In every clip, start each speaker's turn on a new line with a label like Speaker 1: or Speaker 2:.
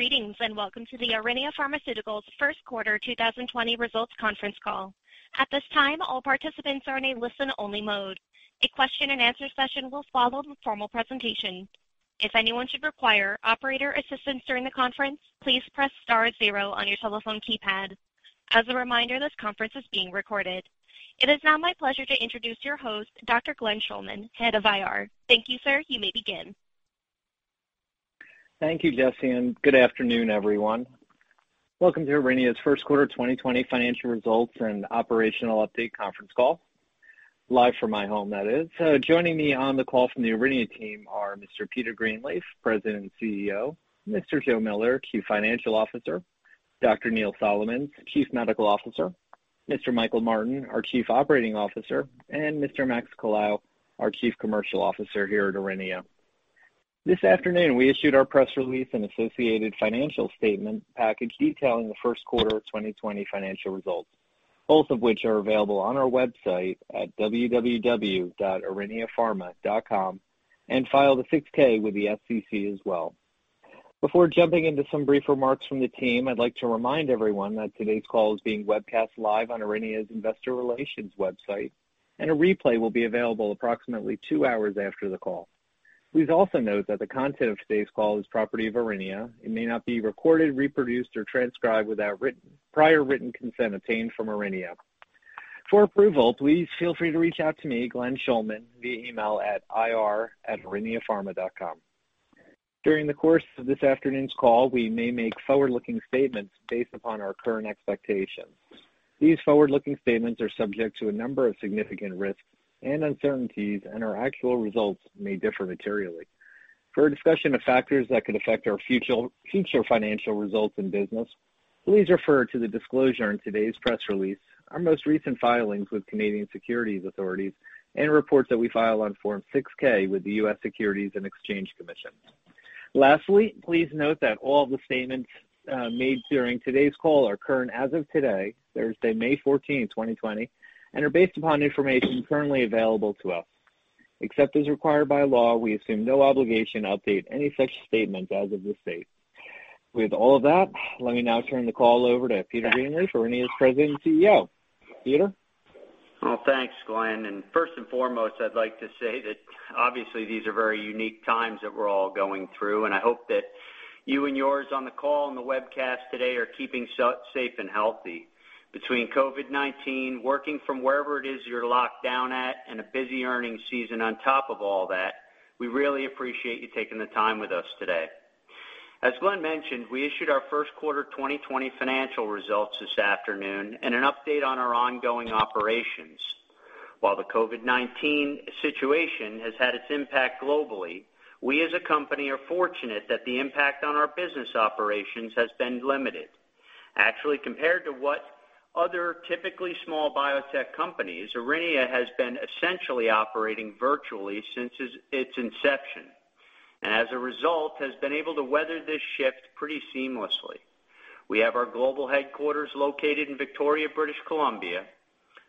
Speaker 1: Greetings, and welcome to the Aurinia Pharmaceuticals first quarter 2020 results conference call. At this time, all participants are in a listen-only mode. A question and answer session will follow the formal presentation. If anyone should require operator assistance during the conference, please press star zero on your telephone keypad. As a reminder, this conference is being recorded. It is now my pleasure to introduce your host, Dr. Glenn Schulman, Head of IR. Thank you, sir. You may begin.
Speaker 2: Thank you, Jessie. Good afternoon, everyone. Welcome to Aurinia's first quarter 2020 financial results and operational update conference call, live from my home, that is. Joining me on the call from the Aurinia team are Mr. Peter Greenleaf, President and CEO; Mr. Joe Miller, Chief Financial Officer; Dr. Neil Solomons, Chief Medical Officer; Mr. Michael Martin, our Chief Operating Officer; and Mr. Max Colao, our Chief Commercial Officer here at Aurinia. This afternoon, we issued our press release and associated financial statement package detailing the first quarter 2020 financial results, both of which are available on our website at www.auriniapharma.com and filed a 6-K with the SEC as well. Before jumping into some brief remarks from the team, I'd like to remind everyone that today's call is being webcast live on Aurinia's investor relations website, and a replay will be available approximately two hours after the call. Please also note that the content of today's call is property of Aurinia. It may not be recorded, reproduced, or transcribed without prior written consent obtained from Aurinia. For approval, please feel free to reach out to me, Glenn Schulman, via email at ir@auriniapharma.com. During the course of this afternoon's call, we may make forward-looking statements based upon our current expectations. These forward-looking statements are subject to a number of significant risks and uncertainties, and our actual results may differ materially. For a discussion of factors that could affect our future financial results and business, please refer to the disclosure in today's press release, our most recent filings with Canadian securities authorities, and reports that we file on Form 6-K with the U.S. Securities and Exchange Commission. Lastly, please note that all the statements made during today's call are current as of today, Thursday, May 14, 2020, and are based upon information currently available to us. Except as required by law, we assume no obligation to update any such statements as of this date. With all of that, let me now turn the call over to Peter Greenleaf, Aurinia's President and CEO. Peter?
Speaker 3: Well, thanks, Glenn. First and foremost, I'd like to say that obviously these are very unique times that we're all going through, and I hope that you and yours on the call and the webcast today are keeping safe and healthy. Between COVID-19, working from wherever it is you're locked down at, and a busy earnings season on top of all that, we really appreciate you taking the time with us today. As Glenn mentioned, we issued our first quarter 2020 financial results this afternoon and an update on our ongoing operations. While the COVID-19 situation has had its impact globally, we as a company are fortunate that the impact on our business operations has been limited. Actually, compared to what other typically small biotech companies, Aurinia has been essentially operating virtually since its inception and as a result, has been able to weather this shift pretty seamlessly. We have our global headquarters located in Victoria, British Columbia,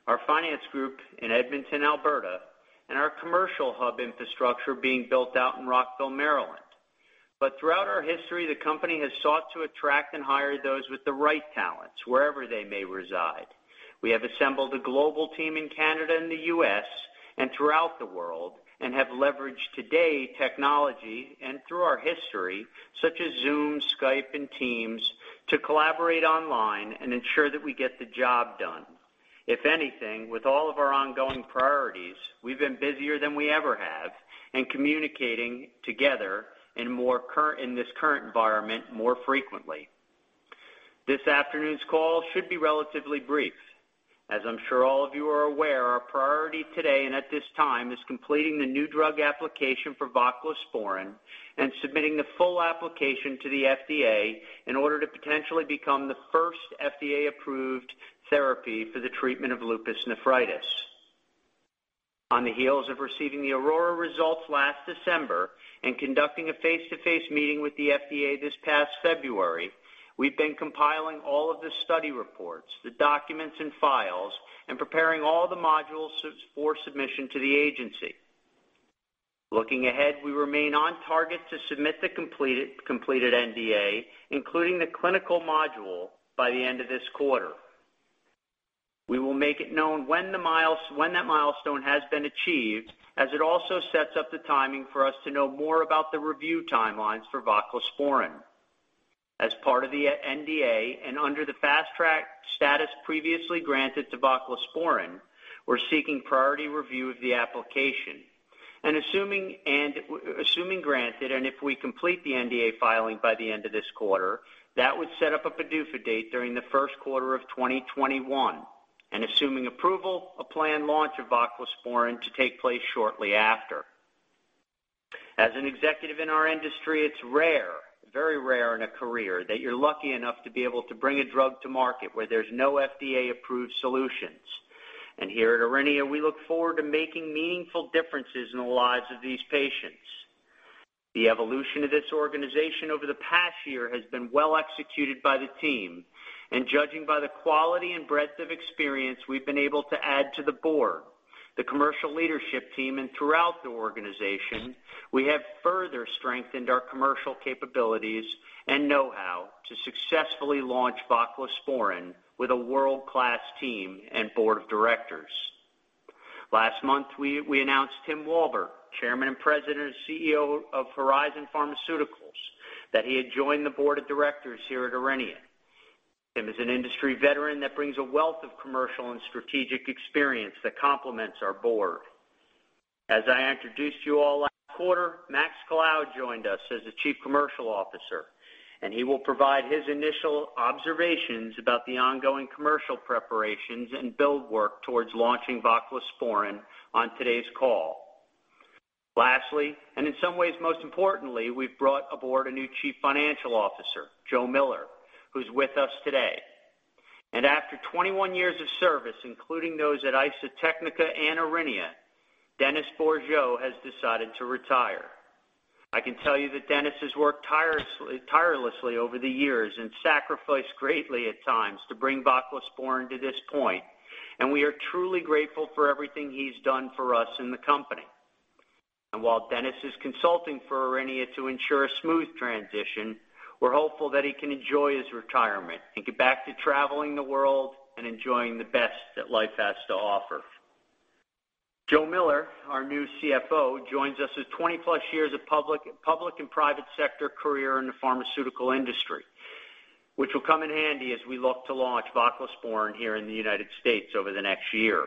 Speaker 3: our finance group in Edmonton, Alberta, and our commercial hub infrastructure being built out in Rockville, Maryland. Throughout our history, the company has sought to attract and hire those with the right talents wherever they may reside. We have assembled a global team in Canada and the U.S. and throughout the world and have leveraged today technology and through our history, such as Zoom, Skype, and Teams, to collaborate online and ensure that we get the job done. If anything, with all of our ongoing priorities, we've been busier than we ever have and communicating together in this current environment more frequently. This afternoon's call should be relatively brief. As I'm sure all of you are aware, our priority today and at this time is completing the new drug application for voclosporin and submitting the full application to the FDA in order to potentially become the first FDA-approved therapy for the treatment of lupus nephritis. On the heels of receiving the AURORA results last December and conducting a face-to-face meeting with the FDA this past February, we've been compiling all of the study reports, the documents and files, and preparing all the modules for submission to the agency. Looking ahead, we remain on target to submit the completed NDA, including the clinical module, by the end of this quarter. We will make it known when that milestone has been achieved, as it also sets up the timing for us to know more about the review timelines for voclosporin. As part of the NDA, under the Fast Track status previously granted to voclosporin, we're seeking priority review of the application. Assuming granted, and if we complete the NDA filing by the end of this quarter, that would set up a PDUFA date during the first quarter of 2021, and assuming approval, a planned launch of voclosporin to take place shortly after. As an executive in our industry, it's rare, very rare in a career that you're lucky enough to be able to bring a drug to market where there's no FDA-approved solutions. Here at Aurinia, we look forward to making meaningful differences in the lives of these patients. The evolution of this organization over the past year has been well executed by the team and judging by the quality and breadth of experience we've been able to add to the board. The commercial leadership team and throughout the organization, we have further strengthened our commercial capabilities and know-how to successfully launch voclosporin with a world-class team and board of directors. Last month, we announced Timothy Walbert, Chairman, President and CEO of Horizon Therapeutics plc, that he had joined the board of directors here at Aurinia. Timothy is an industry veteran that brings a wealth of commercial and strategic experience that complements our board. As I introduced you all last quarter, Max Colao joined us as the Chief Commercial Officer, and he will provide his initial observations about the ongoing commercial preparations and build work towards launching voclosporin on today's call. Lastly, in some ways most importantly, we've brought aboard a new Chief Financial Officer, Joe Miller, who's with us today. After 21 years of service, including those at Isotechnika and Aurinia, Dennis Bourgeau has decided to retire. I can tell you that Dennis has worked tirelessly over the years and sacrificed greatly at times to bring voclosporin to this point, and we are truly grateful for everything he's done for us and the company. While Dennis is consulting for Aurinia to ensure a smooth transition, we're hopeful that he can enjoy his retirement and get back to traveling the world and enjoying the best that life has to offer. Joe Miller, our new CFO, joins us with 20-plus years of public and private sector career in the pharmaceutical industry, which will come in handy as we look to launch voclosporin here in the U.S. over the next year.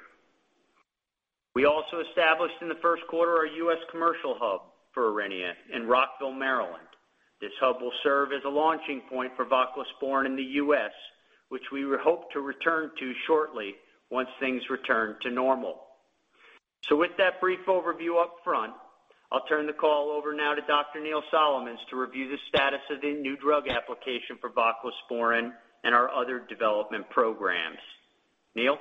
Speaker 3: We also established in the first quarter our U.S. commercial hub for Aurinia in Rockville, Maryland. This hub will serve as a launching point for voclosporin in the U.S., which we hope to return to shortly once things return to normal. With that brief overview up front, I'll turn the call over now to Dr. Neil Solomons to review the status of the New Drug Application for voclosporin and our other development programs. Neil?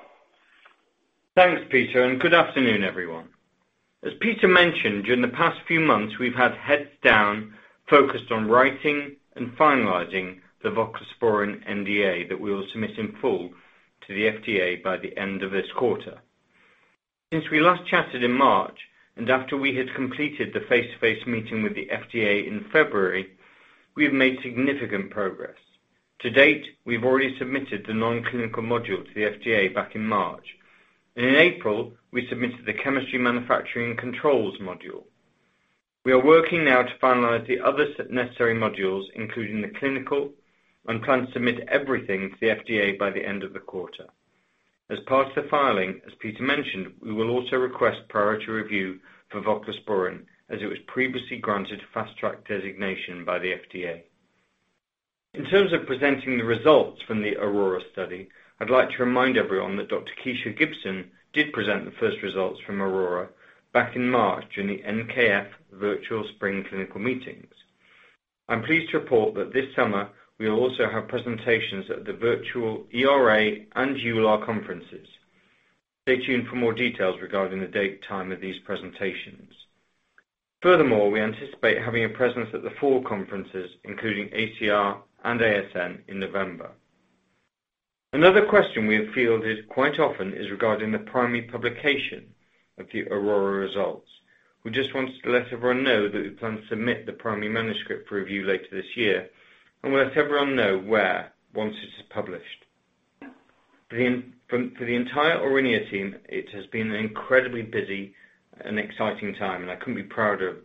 Speaker 4: Thanks, Peter. Good afternoon, everyone. As Peter mentioned, during the past few months, we've had heads down focused on writing and finalizing the voclosporin NDA that we will submit in full to the FDA by the end of this quarter. Since we last chatted in March, and after we had completed the face-to-face meeting with the FDA in February, we have made significant progress. To date, we've already submitted the nonclinical module to the FDA back in March. In April, we submitted the chemistry, manufacturing, and controls module. We are working now to finalize the other necessary modules, including the clinical, and plan to submit everything to the FDA by the end of the quarter. As part of the filing, as Peter mentioned, we will also request priority review for voclosporin, as it was previously granted Fast Track designation by the FDA. In terms of presenting the results from the AURORA study, I'd like to remind everyone that Dr. Keisha Gibson did present the first results from AURORA back in March during the NKF Virtual Spring Clinical Meetings. I'm pleased to report that this summer, we will also have presentations at the virtual ERA and EULAR conferences. Stay tuned for more details regarding the date, time of these presentations. We anticipate having a presence at the fall conferences, including ACR and ASN in November. Another question we have fielded quite often is regarding the primary publication of the AURORA results. We just wanted to let everyone know that we plan to submit the primary manuscript for review later this year, and we'll let everyone know where once it is published. For the entire Aurinia team, it has been an incredibly busy and exciting time, and I couldn't be prouder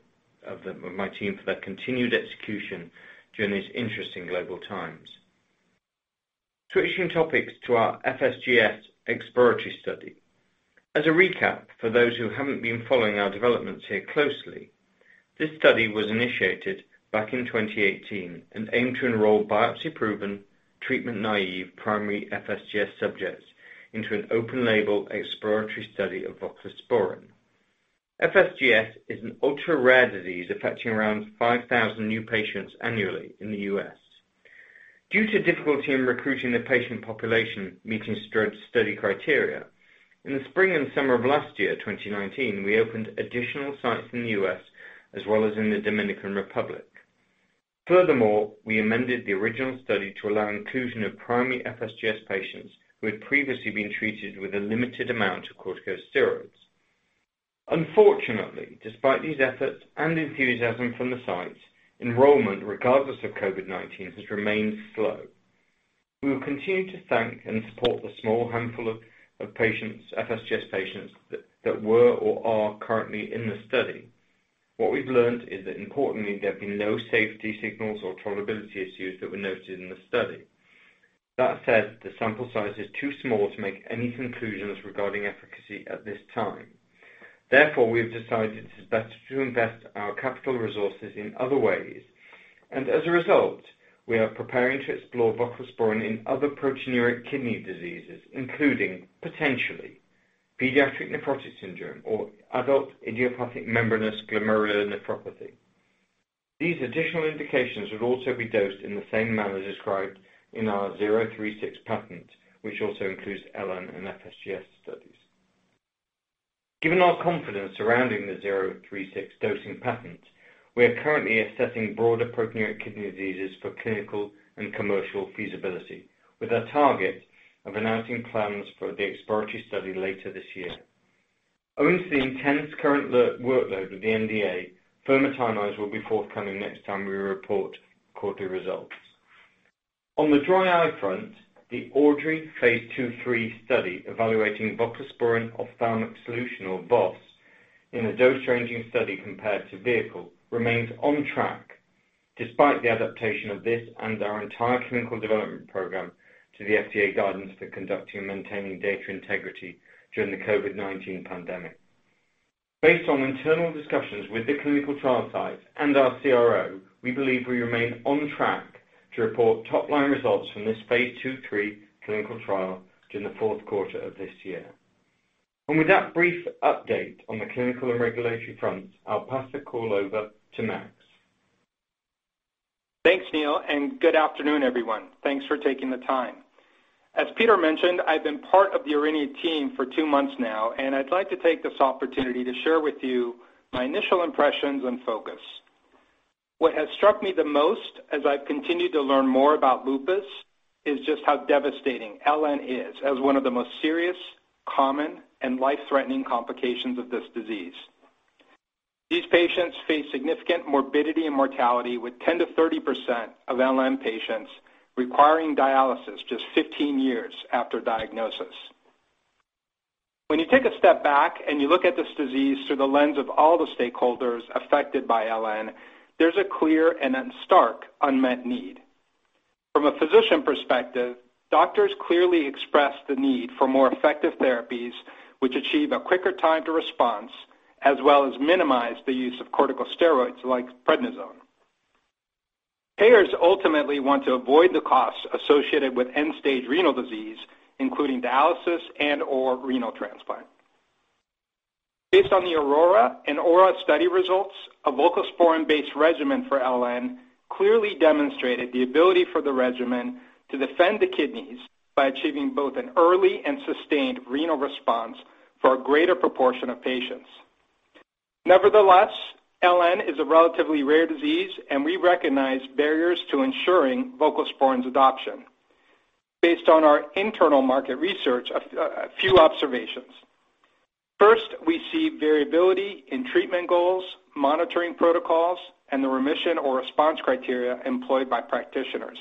Speaker 4: of my team for their continued execution during these interesting global times. Switching topics to our FSGS exploratory study. As a recap for those who haven't been following our developments here closely, this study was initiated back in 2018 and aimed to enroll biopsy-proven, treatment-naive primary FSGS subjects into an open-label exploratory study of voclosporin. FSGS is an ultra-rare disease affecting around 5,000 new patients annually in the U.S. Due to difficulty in recruiting the patient population meeting study criteria, in the spring and summer of last year, 2019, we opened additional sites in the U.S. as well as in the Dominican Republic. Furthermore, we amended the original study to allow inclusion of primary FSGS patients who had previously been treated with a limited amount of corticosteroids. Unfortunately, despite these efforts and enthusiasm from the sites, enrollment, regardless of COVID-19, has remained slow. We will continue to thank and support the small handful of FSGS patients that were or are currently in the study. What we've learned is that importantly, there have been no safety signals or tolerability issues that were noted in the study. That said, the sample size is too small to make any conclusions regarding efficacy at this time. Therefore, we have decided it is best to invest our capital resources in other ways. As a result, we are preparing to explore voclosporin in other proteinuric kidney diseases, including potentially pediatric nephrotic syndrome or adult idiopathic membranous glomerulonephropathy. These additional indications would also be dosed in the same manner described in our 036 patent, which also includes LN and FSGS studies. Given our confidence surrounding the 036 dosing patent. We are currently assessing broader proteinuric kidney diseases for clinical and commercial feasibility, with our target of announcing plans for the exploratory study later this year. Owing to the intense current workload of the NDA, further timelines will be forthcoming next time we report quarterly results. On the dry eye front, the AUDREY Phase II/III study evaluating voclosporin ophthalmic solution, or VOS, in a dose-ranging study compared to vehicle remains on track despite the adaptation of this and our entire clinical development program to the FDA guidance for conducting and maintaining data integrity during the COVID-19 pandemic. Based on internal discussions with the clinical trial sites and our CRO, we believe we remain on track to report top-line results from this Phase II/III clinical trial during the fourth quarter of this year. With that brief update on the clinical and regulatory fronts, I'll pass the call over to Max.
Speaker 5: Thanks, Neil. Good afternoon, everyone. Thanks for taking the time. As Peter mentioned, I've been part of the Aurinia team for two months now, and I'd like to take this opportunity to share with you my initial impressions and focus. What has struck me the most as I've continued to learn more about lupus is just how devastating LN is as one of the most serious, common, and life-threatening complications of this disease. These patients face significant morbidity and mortality, with 10%-30% of LN patients requiring dialysis just 15 years after diagnosis. When you take a step back and you look at this disease through the lens of all the stakeholders affected by LN, there's a clear and then stark unmet need. From a physician perspective, doctors clearly express the need for more effective therapies which achieve a quicker time to response, as well as minimize the use of corticosteroids like prednisone. Payers ultimately want to avoid the costs associated with end-stage renal disease, including dialysis and/or renal transplant. Based on the AURORA and AURA study results, a voclosporin-based regimen for LN clearly demonstrated the ability for the regimen to defend the kidneys by achieving both an early and sustained renal response for a greater proportion of patients. Nevertheless, LN is a relatively rare disease, and we recognize barriers to ensuring voclosporin's adoption. Based on our internal market research, a few observations. First, we see variability in treatment goals, monitoring protocols, and the remission or response criteria employed by practitioners.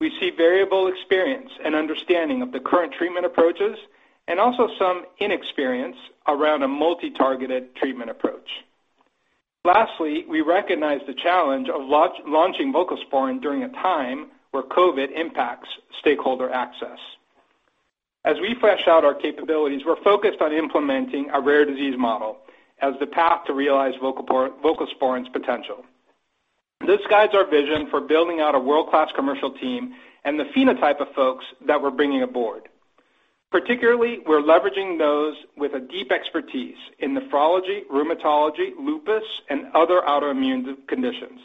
Speaker 5: We see variable experience and understanding of the current treatment approaches and also some inexperience around a multi-targeted treatment approach. Lastly, we recognize the challenge of launching voclosporin during a time where COVID impacts stakeholder access. As we flesh out our capabilities, we're focused on implementing a rare disease model as the path to realize voclosporin's potential. This guides our vision for building out a world-class commercial team and the phenotype of folks that we're bringing aboard. Particularly, we're leveraging those with a deep expertise in nephrology, rheumatology, lupus, and other autoimmune conditions.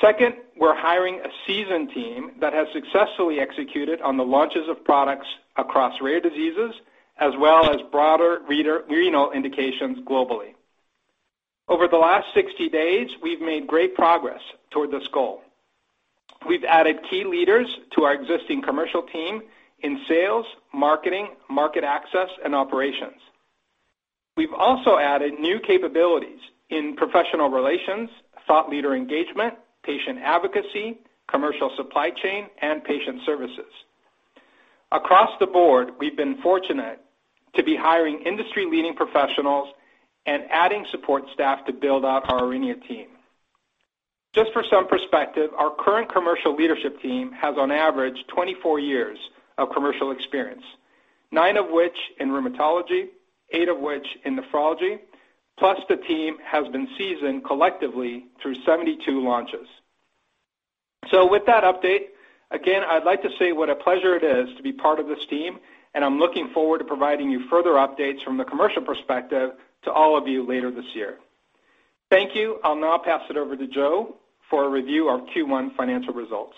Speaker 5: Second, we're hiring a seasoned team that has successfully executed on the launches of products across rare diseases, as well as broader renal indications globally. Over the last 60 days, we've made great progress toward this goal. We've added key leaders to our existing commercial team in sales, marketing, market access, and operations. We've also added new capabilities in professional relations, thought leader engagement, patient advocacy, commercial supply chain, and patient services. Across the board, we've been fortunate to be hiring industry-leading professionals and adding support staff to build out our Aurinia team. Just for some perspective, our current commercial leadership team has on average 24 years of commercial experience, nine of which in rheumatology, eight of which in nephrology, plus the team has been seasoned collectively through 72 launches. With that update, again, I'd like to say what a pleasure it is to be part of this team, and I'm looking forward to providing you further updates from the commercial perspective to all of you later this year. Thank you. I'll now pass it over to Joe for a review of Q1 financial results.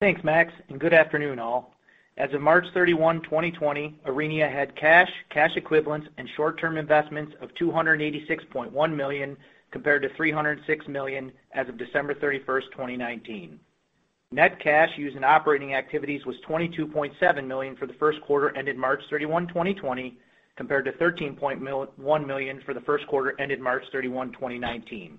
Speaker 5: Joe?
Speaker 6: Thanks, Max, and good afternoon, all. As of March 31, 2020, Aurinia had cash equivalents, and short-term investments of $286.1 million, compared to $306 million as of December 31, 2019. Net cash used in operating activities was $22.7 million for the first quarter ended March 31, 2020, compared to $13.1 million for the first quarter ended March 31, 2019.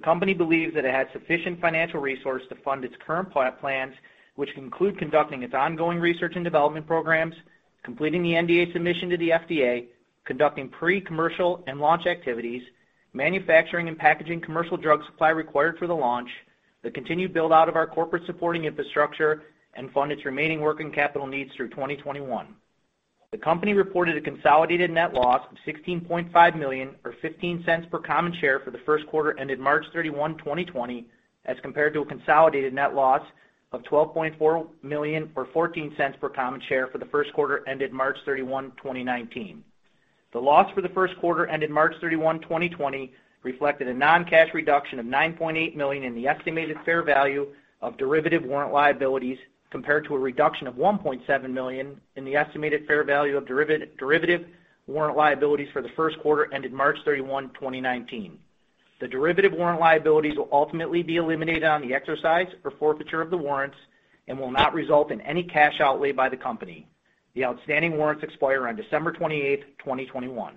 Speaker 6: The company believes that it has sufficient financial resource to fund its current plans, which include conducting its ongoing research and development programs, completing the NDA submission to the FDA, conducting pre-commercial and launch activities, manufacturing and packaging commercial drug supply required for the launch, the continued build-out of our corporate supporting infrastructure, and fund its remaining working capital needs through 2021. The company reported a consolidated net loss of $16.5 million or $0.15 per common share for the first quarter ended March 31, 2020, as compared to a consolidated net loss of $12.4 million or $0.14 per common share for the first quarter ended March 31, 2019. The loss for the first quarter ended March 31, 2020 reflected a non-cash reduction of $9.8 million in the estimated fair value of derivative warrant liabilities, compared to a reduction of $1.7 million in the estimated fair value of derivative warrant liabilities for the first quarter ended March 31, 2019. The derivative warrant liabilities will ultimately be eliminated on the exercise or forfeiture of the warrants and will not result in any cash outlay by the company. The outstanding warrants expire on December 28th, 2021.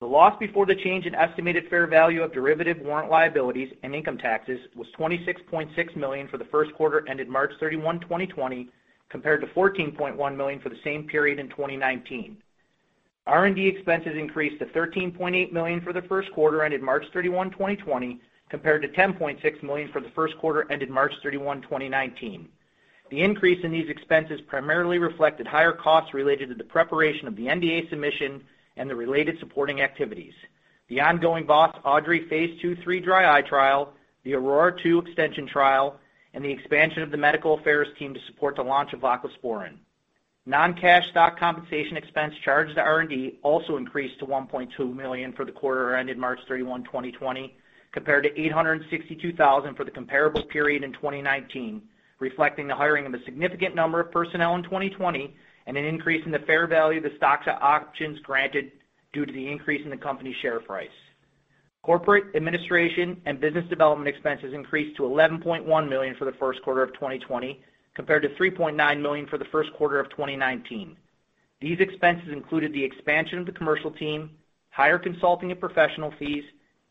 Speaker 6: The loss before the change in estimated fair value of derivative warrant liabilities and income taxes was $26.6 million for the first quarter ended March 31, 2020, compared to $14.1 million for the same period in 2019. R&D expenses increased to $13.8 million for the first quarter ended March 31, 2020, compared to $10.6 million for the first quarter ended March 31, 2019. The increase in these expenses primarily reflected higher costs related to the preparation of the NDA submission and the related supporting activities. The ongoing VOS AUDREY Phase II/III dry eye trial, the AURORA-2 extension trial, and the expansion of the medical affairs team to support the launch of voclosporin. Non-cash stock compensation expense charged to R&D also increased to $1.2 million for the quarter ended March 31, 2020, compared to $862,000 for the comparable period in 2019, reflecting the hiring of a significant number of personnel in 2020 and an increase in the fair value of the stock options granted due to the increase in the company's share price. Corporate administration and business development expenses increased to $11.1 million for the first quarter of 2020, compared to $3.9 million for the first quarter of 2019. These expenses included the expansion of the commercial team, higher consulting and professional fees,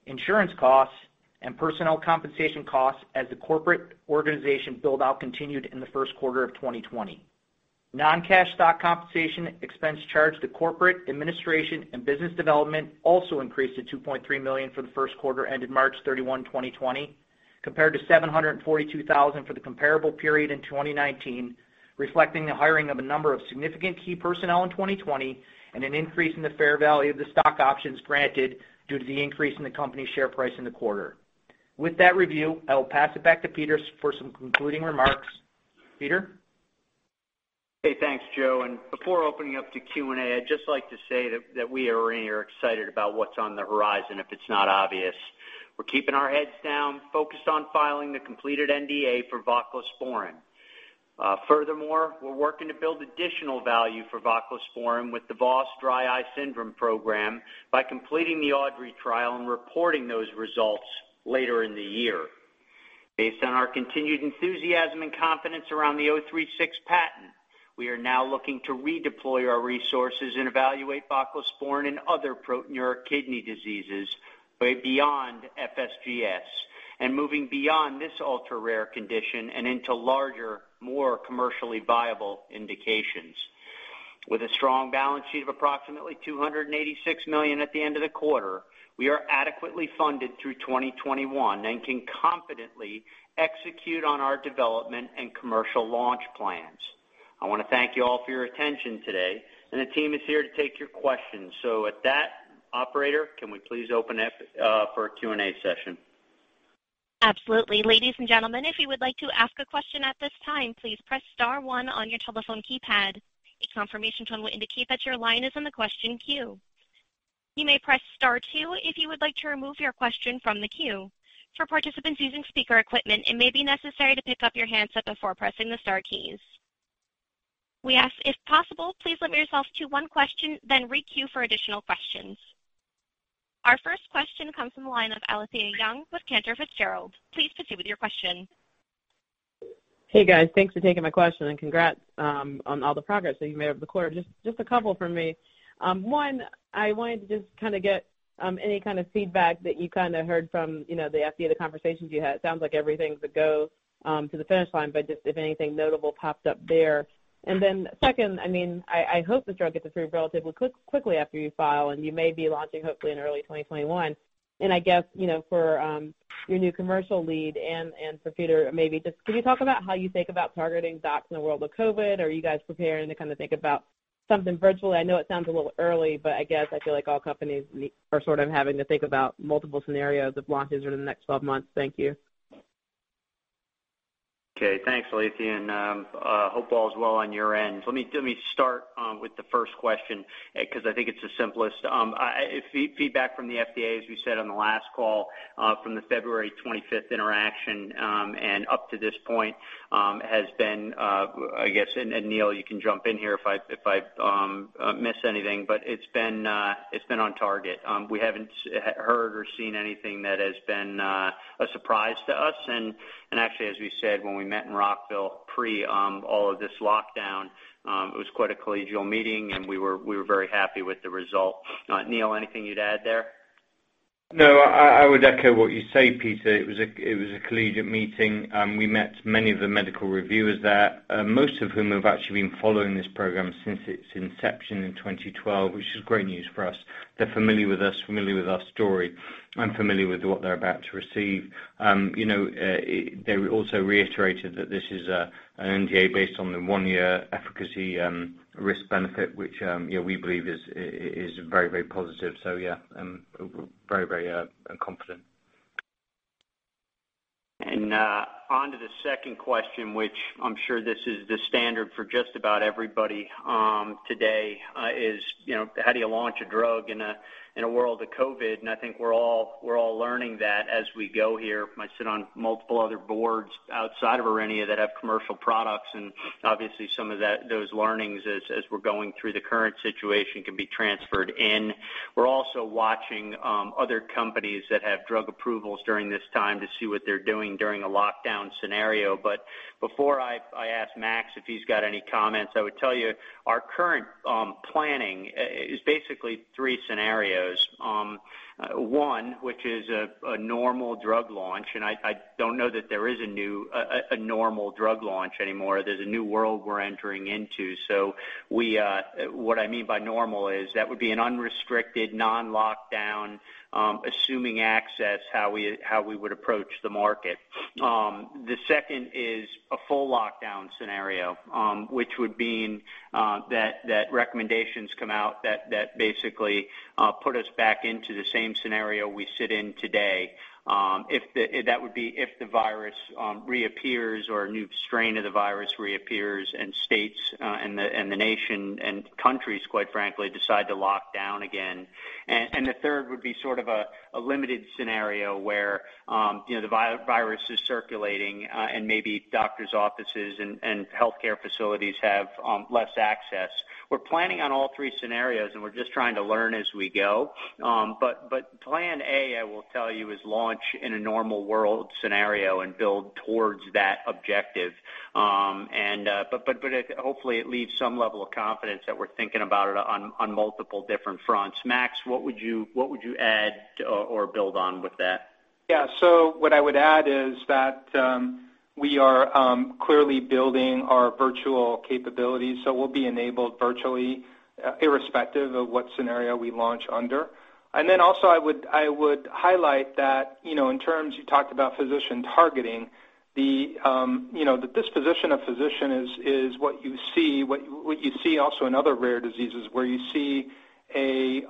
Speaker 6: insurance costs, and personnel compensation costs as the corporate organization build-out continued in the first quarter of 2020. Non-cash stock compensation expense charged to corporate administration and business development also increased to $2.3 million for the first quarter ended March 31, 2020, compared to $742,000 for the comparable period in 2019, reflecting the hiring of a number of significant key personnel in 2020 and an increase in the fair value of the stock options granted due to the increase in the company's share price in the quarter. With that review, I will pass it back to Peter for some concluding remarks. Peter?
Speaker 3: Thanks, Joe. Before opening up to Q&A, I'd just like to say that we at Aurinia are excited about what's on the horizon, if it's not obvious. We're keeping our heads down, focused on filing the completed NDA for voclosporin. Furthermore, we're working to build additional value for voclosporin with the VOS dry eye syndrome program by completing the AUDREY trial and reporting those results later in the year. Based on our continued enthusiasm and confidence around the 036 patent, we are now looking to redeploy our resources and evaluate voclosporin in other proteinuric kidney diseases way beyond FSGS and moving beyond this ultra-rare condition and into larger, more commercially viable indications. With a strong balance sheet of approximately $286 million at the end of the quarter, we are adequately funded through 2021 and can confidently execute on our development and commercial launch plans. I want to thank you all for your attention today, and the team is here to take your questions. With that, operator, can we please open it up for a Q&A session?
Speaker 1: Absolutely. Ladies and gentlemen, if you would like to ask a question at this time, please press star one on your telephone keypad. A confirmation tone will indicate that your line is in the question queue. You may press star two if you would like to remove your question from the queue. For participants using speaker equipment, it may be necessary to pick up your handset before pressing the star keys. We ask, if possible, please limit yourself to one question, then re-queue for additional questions. Our first question comes from the line of Alethia Young with Cantor Fitzgerald. Please proceed with your question.
Speaker 7: Hey, guys. Thanks for taking my question and congrats on all the progress that you made over the quarter. Just a couple from me. One, I wanted to just get any kind of feedback that you heard from the FDA, the conversations you had. It sounds like everything's a go to the finish line, but just if anything notable pops up there. Then second, I hope the drug gets approved relatively quickly after you file, and you may be launching hopefully in early 2021. I guess, for your new commercial lead and for Peter, maybe just can you talk about how you think about targeting docs in the world of COVID? I know it sounds a little early, but I guess I feel like all companies are sort of having to think about multiple scenarios of launches within the next 12 months. Thank you.
Speaker 3: Okay. Thanks, Alethia, and hope all is well on your end. Let me start with the first question because I think it's the simplest. Feedback from the FDA, as we said on the last call from the February 25th interaction and up to this point has been, I guess, and Neil, you can jump in here if I miss anything, but it's been on target. We haven't heard or seen anything that has been a surprise to us. Actually, as we said when we met in Rockville pre all of this lockdown, it was quite a collegial meeting, and we were very happy with the result. Neil, anything you'd add there?
Speaker 4: I would echo what you say, Peter. It was a collegial meeting. We met many of the medical reviewers there, most of whom have actually been following this program since its inception in 2012, which is great news for us. They're familiar with us, familiar with our story, and familiar with what they're about to receive. They also reiterated that this is an NDA based on the one-year efficacy risk benefit, which we believe is very positive. Yeah, very confident.
Speaker 3: Onto the second question, which I'm sure this is the standard for just about everybody today, is how do you launch a drug in a world of COVID? I think we're all learning that as we go here. I sit on multiple other boards outside of Aurinia that have commercial products, and obviously some of those learnings, as we're going through the current situation, can be transferred in. We're also watching other companies that have drug approvals during this time to see what they're doing during a lockdown scenario. Before I ask Max if he's got any comments, I would tell you our current planning is basically three scenarios. One, which is a normal drug launch, and I don't know that there is a normal drug launch anymore. There's a new world we're entering into. What I mean by normal is that would be an unrestricted, non-lockdown, assuming access, how we would approach the market. The second is a full lockdown scenario, which would mean that recommendations come out that basically put us back into the same scenario we sit in today. That would be if the virus reappears or a new strain of the virus reappears and states and the nation and countries, quite frankly, decide to lock down again. The third would be sort of a limited scenario where the virus is circulating and maybe doctor's offices and healthcare facilities have less access. We're planning on all three scenarios, and we're just trying to learn as we go. Plan A, I will tell you, is launch in a normal world scenario and build towards that objective. Hopefully it leaves some level of confidence that we're thinking about it on multiple different fronts. Max, what would you add or build on with that?
Speaker 5: Yeah. What I would add is that we are clearly building our virtual capabilities, so we'll be enabled virtually irrespective of what scenario we launch under. I would highlight that in terms, you talked about physician targeting, the disposition of physician is what you see also in other rare diseases, where you see a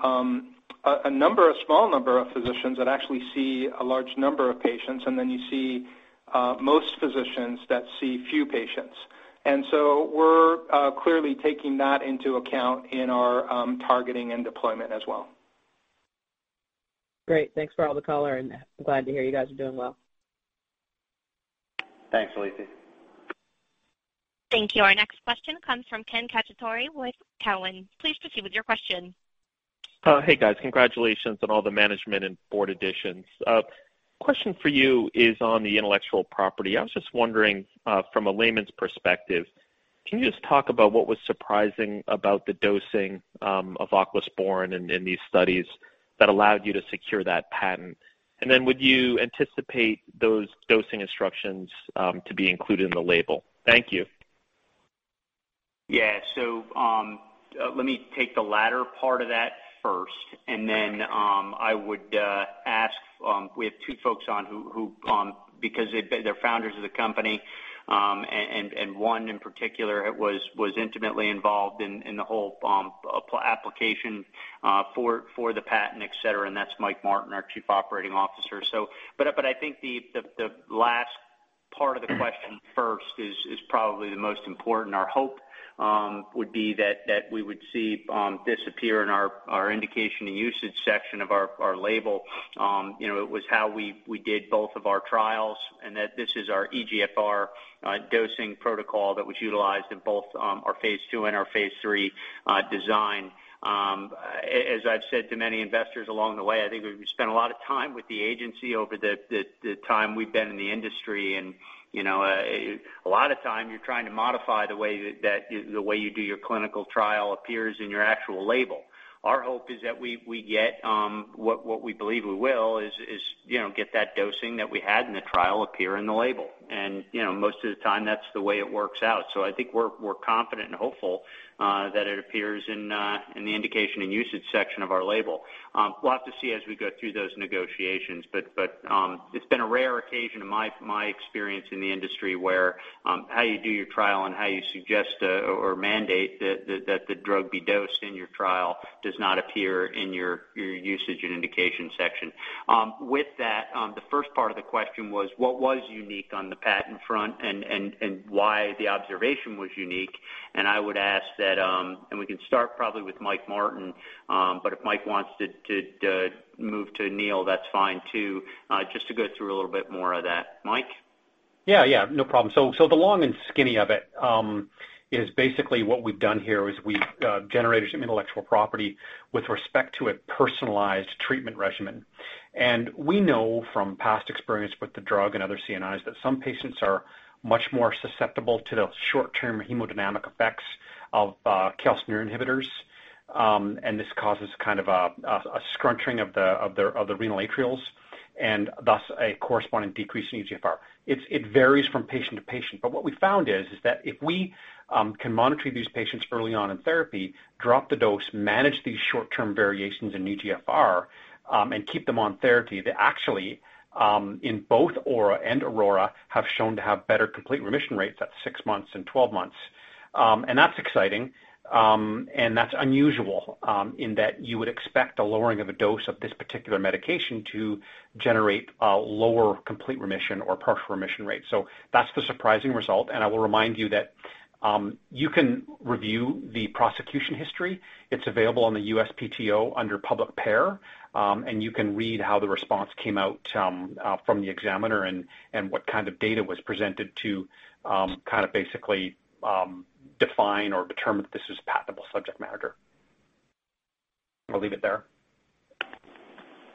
Speaker 5: small number of physicians that actually see a large number of patients, and then you see most physicians that see few patients. We're clearly taking that into account in our targeting and deployment as well.
Speaker 7: Great. Thanks for all the color, and I'm glad to hear you guys are doing well.
Speaker 3: Thanks, Alethia.
Speaker 1: Thank you. Our next question comes from Ken Cacciatore with Cowen. Please proceed with your question.
Speaker 8: Hey, guys. Congratulations on all the management and board additions. Question for you is on the intellectual property. I was just wondering, from a layman's perspective, can you just talk about what was surprising about the dosing of voclosporin in these studies that allowed you to secure that patent? Would you anticipate those dosing instructions to be included in the label? Thank you.
Speaker 3: Let me take the latter part of that first, and then I would ask, we have two folks on who, because they're founders of the company, and one in particular was intimately involved in the whole application for the patent, et cetera, and that's Mike Martin, our Chief Operating Officer. I think the last part of the question first is probably the most important. Our hope would be that we would see this appear in our indication and usage section of our label. It was how we did both of our trials, and that this is our eGFR dosing protocol that was utilized in both our phase II and our phase III design. As I've said to many investors along the way, I think we've spent a lot of time with the agency over the time we've been in the industry, and a lot of time you're trying to modify the way you do your clinical trial appears in your actual label. Our hope is that we get what we believe we will, is get that dosing that we had in the trial appear in the label. Most of the time, that's the way it works out. I think we're confident and hopeful that it appears in the indication and usage section of our label. We'll have to see as we go through those negotiations. It's been a rare occasion in my experience in the industry where, how you do your trial and how you suggest or mandate that the drug be dosed in your trial does not appear in your usage and indication section. With that, the first part of the question was, what was unique on the patent front and why the observation was unique? I would ask that, and we can start probably with Michael Martin, but if Michael wants to move to Neil, that's fine, too. Just to go through a little bit more of that. Michael?
Speaker 9: Yeah. No problem. The long and skinny of it is basically what we've done here is we've generated some intellectual property with respect to a personalized treatment regimen. We know from past experience with the drug and other CNIs that some patients are much more susceptible to the short-term hemodynamic effects of calcineurin inhibitors. This causes kind of a scrunching of the renal arterioles, and thus a corresponding decrease in eGFR. It varies from patient to patient. What we found is that if we can monitor these patients early on in therapy, drop the dose, manage these short-term variations in eGFR, and keep them on therapy, they actually, in both AURA and AURORA, have shown to have better complete remission rates at 6 months and 12 months. That's exciting. That's unusual, in that you would expect a lowering of a dose of this particular medication to generate a lower complete remission or partial remission rate. That's the surprising result. I will remind you that you can review the prosecution history. It's available on the USPTO under Public PAIR, and you can read how the response came out from the examiner, and what kind of data was presented to basically define or determine that this is patentable subject matter. I'll leave it there.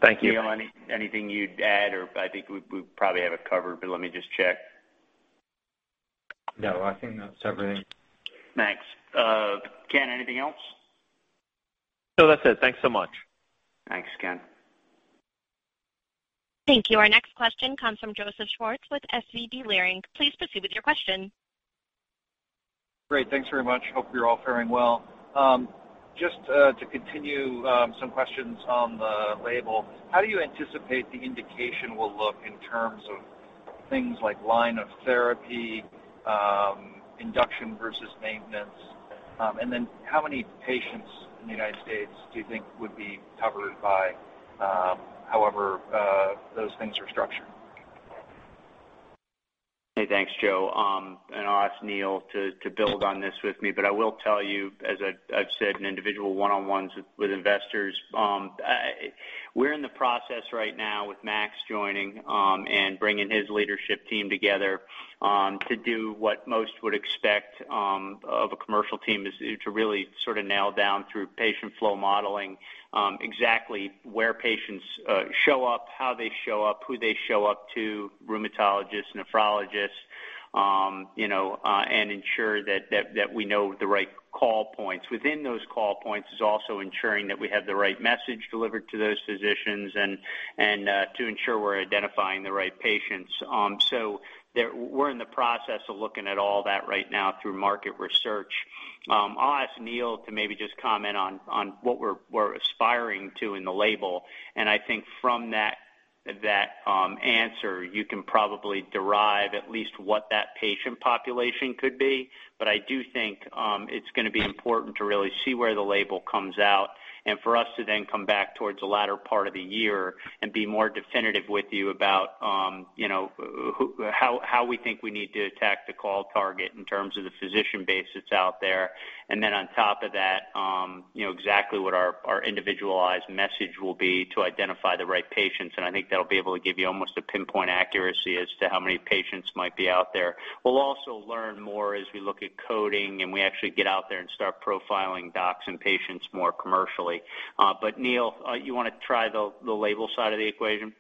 Speaker 8: Thank you.
Speaker 3: Neil, anything you'd add or I think we probably have it covered, but let me just check.
Speaker 4: No, I think that's everything.
Speaker 3: Thanks. Ken, anything else?
Speaker 8: No, that's it. Thanks so much.
Speaker 3: Thanks, Ken.
Speaker 1: Thank you. Our next question comes from Joseph Schwartz with SVB Leerink. Please proceed with your question.
Speaker 10: Great. Thanks very much. Hope you're all faring well. Just to continue some questions on the label, how do you anticipate the indication will look in terms of things like line of therapy, induction versus maintenance? How many patients in the U.S. do you think would be covered by however those things are structured?
Speaker 3: Okay, thanks, Joe. I'll ask Neil to build on this with me, but I will tell you, as I've said in individual one-on-ones with investors, we're in the process right now with Max joining, and bringing his leadership team together, to do what most would expect of a commercial team, is to really sort of nail down through patient flow modeling, exactly where patients show up, how they show up, who they show up to, rheumatologists, nephrologists, and ensure that we know the right call points. Within those call points is also ensuring that we have the right message delivered to those physicians and to ensure we're identifying the right patients. We're in the process of looking at all that right now through market research. I'll ask Neil to maybe just comment on what we're aspiring to in the label. I think from that answer, you can probably derive at least what that patient population could be. I do think it's going to be important to really see where the label comes out, and for us to then come back towards the latter part of the year and be more definitive with you about how we think we need to attack the call target in terms of the physician base that's out there. Then on top of that, exactly what our individualized message will be to identify the right patients, and I think that'll be able to give you almost a pinpoint accuracy as to how many patients might be out there. We'll also learn more as we look at coding and we actually get out there and start profiling docs and patients more commercially. Neil, you want to try the label side of the equation?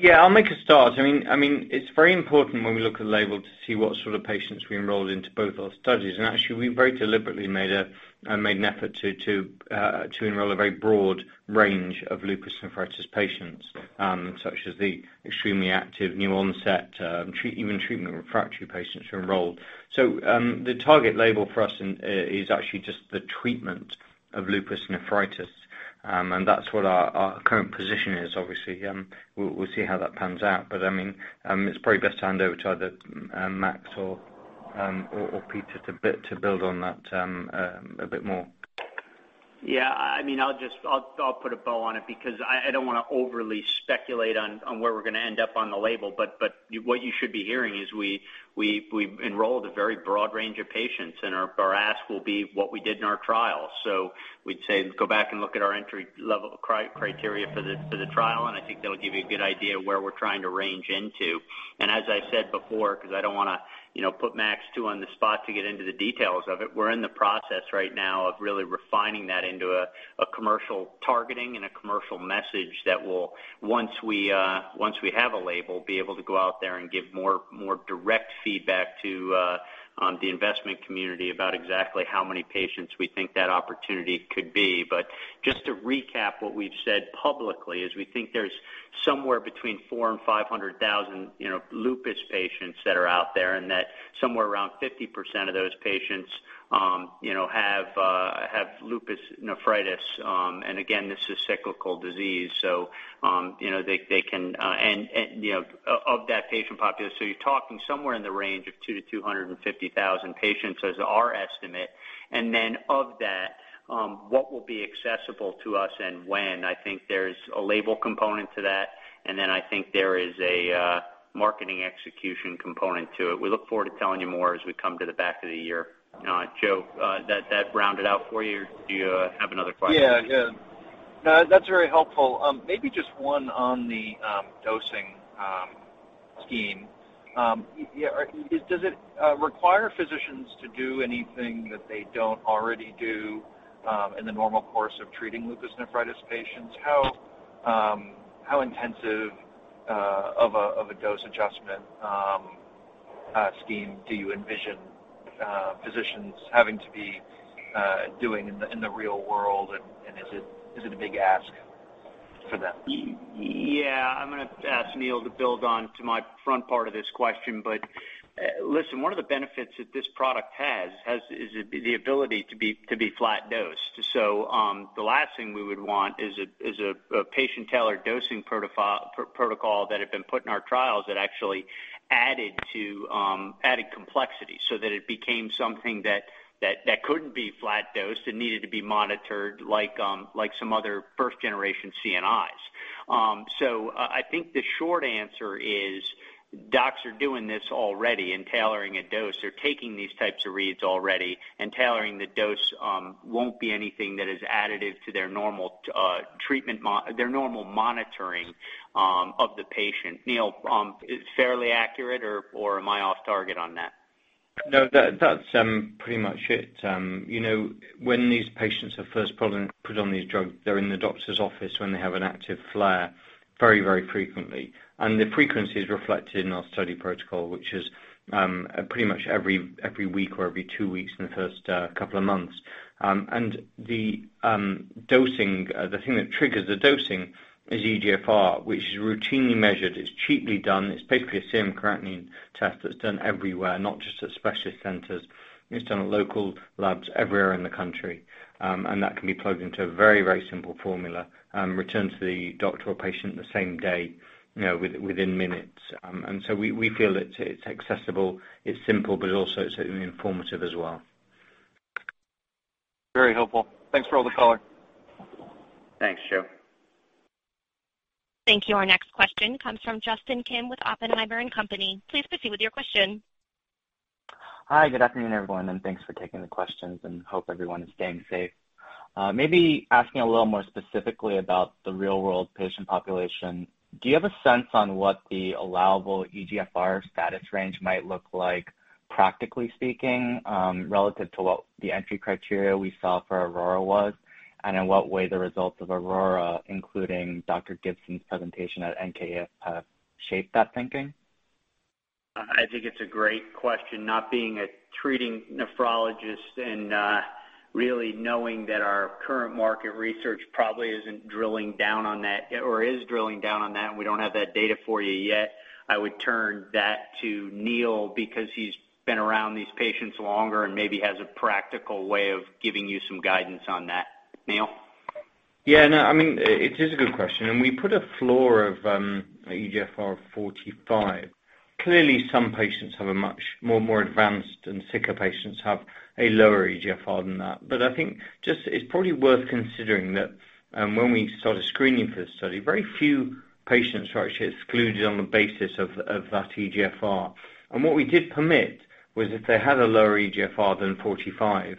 Speaker 4: Yeah, I'll make a start. It's very important when we look at the label to see what sort of patients we enrolled into both our studies. Actually, we very deliberately made an effort to enroll a very broad range of lupus nephritis patients, such as the extremely active, new onset, even treatment-refractory patients were enrolled. The target label for us is actually just the treatment of lupus nephritis. That's what our current position is. Obviously, we'll see how that pans out. It's probably best to hand over to either Max or Peter to build on that a bit more.
Speaker 3: Yeah. I'll put a bow on it because I don't want to overly speculate on where we're going to end up on the label. What you should be hearing is we've enrolled a very broad range of patients, and our ask will be what we did in our trial. We'd say, go back and look at our entry criteria for the trial, and I think that'll give you a good idea of where we're trying to range into. As I said before, because I don't want to put Max too on the spot to get into the details of it, we're in the process right now of really refining that into a commercial targeting and a commercial message that will, once we have a label, be able to go out there and give more direct feedback to the investment community about exactly how many patients we think that opportunity could be. Just to recap what we've said publicly, is we think there's somewhere between four and 500,000 lupus patients that are out there, and that somewhere around 50% of those patients have lupus nephritis. Again, this is a cyclical disease. You're talking somewhere in the range of 200,000 to 250,000 patients as our estimate. Of that, what will be accessible to us and when? I think there's a label component to that, and then I think there is a marketing execution component to it. We look forward to telling you more as we come to the back of the year. Joe, that rounded out for you or do you have another question?
Speaker 10: Yeah. No, that's very helpful. Maybe just one on the dosing scheme. Does it require physicians to do anything that they don't already do in the normal course of treating lupus nephritis patients? How intensive of a dose adjustment scheme do you envision physicians having to be doing in the real world, and is it a big ask for them?
Speaker 3: Yeah. I'm going to ask Neil to build on to my front part of this question. Listen, one of the benefits that this product has is the ability to be flat dosed. The last thing we would want is a patient-tailored dosing protocol that had been put in our trials that actually added complexity, so that it became something that couldn't be flat dosed and needed to be monitored like some other first-generation CNIs. I think the short answer is docs are doing this already and tailoring a dose. They're taking these types of reads already and tailoring the dose won't be anything that is additive to their normal monitoring of the patient. Neil, it's fairly accurate or am I off target on that?
Speaker 4: No, that's pretty much it. When these patients are first put on these drugs, they're in the doctor's office when they have an active flare very frequently. The frequency is reflected in our study protocol, which is pretty much every week or every two weeks in the first couple of months. The thing that triggers the dosing is eGFR, which is routinely measured, it's cheaply done. It's basically a serum creatinine test that's done everywhere, not just at specialist centers. It's done at local labs everywhere in the country. That can be plugged into a very simple formula and returned to the doctor or patient the same day, within minutes. We feel it's accessible, it's simple, but it also is certainly informative as well.
Speaker 10: Very helpful. Thanks for all the color.
Speaker 3: Thanks, Joe.
Speaker 1: Thank you. Our next question comes from Justin Kim with Oppenheimer & Company. Please proceed with your question.
Speaker 11: Hi, good afternoon, everyone. Thanks for taking the questions, and hope everyone is staying safe. Maybe asking a little more specifically about the real-world patient population, do you have a sense on what the allowable eGFR status range might look like, practically speaking, relative to what the entry criteria we saw for AURORA was? In what way the results of AURORA, including Dr. Gibson's presentation at NKF, shaped that thinking?
Speaker 3: I think it's a great question. Not being a treating nephrologist and really knowing that our current market research probably isn't drilling down on that, or is drilling down on that, and we don't have that data for you yet. I would turn that to Neil because he's been around these patients longer and maybe has a practical way of giving you some guidance on that. Neil?
Speaker 4: Yeah. No, it is a good question. We put a floor of eGFR of 45. Clearly, some patients have a much more advanced and sicker patients have a lower eGFR than that. I think just, it's probably worth considering that when we started screening for this study, very few patients were actually excluded on the basis of that eGFR. What we did permit was if they had a lower eGFR than 45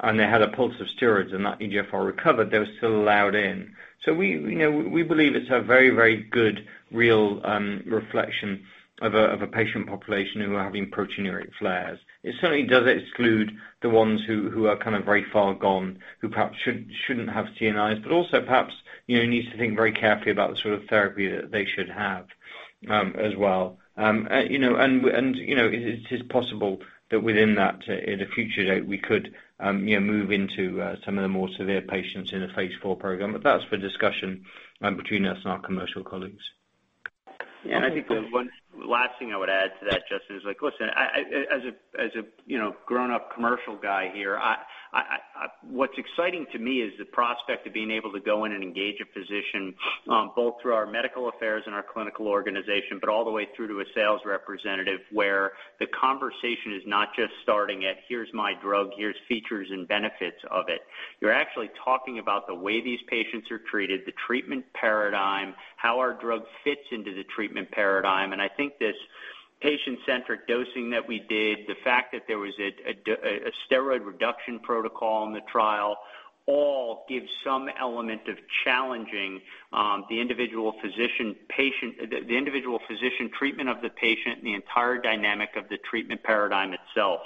Speaker 4: and they had a pulse of steroids and that eGFR recovered, they were still allowed in. We believe it's a very good real reflection of a patient population who are having proteinuria flares. It certainly does exclude the ones who are very far gone, who perhaps shouldn't have CNIs, but also perhaps needs to think very carefully about the sort of therapy that they should have as well. It is possible that within that, at a future date, we could move into some of the more severe patients in a phase IV program. That's for discussion between us and our commercial colleagues.
Speaker 3: Yeah. I think the one last thing I would add to that, Justin, is listen, as a grown-up commercial guy here, what's exciting to me is the prospect of being able to go in and engage a physician both through our medical affairs and our clinical organization, but all the way through to a sales representative where the conversation is not just starting at, "Here's my drug, here's features and benefits of it." You're actually talking about the way these patients are treated, the treatment paradigm, how our drug fits into the treatment paradigm. I think this patient-centric dosing that we did, the fact that there was a steroid reduction protocol in the trial, all give some element of challenging the individual physician treatment of the patient and the entire dynamic of the treatment paradigm itself.